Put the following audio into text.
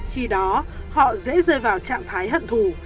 khi đó họ dễ rơi vào trạng thái hận thù